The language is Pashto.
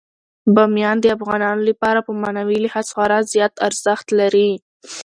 بامیان د افغانانو لپاره په معنوي لحاظ خورا زیات ارزښت لري.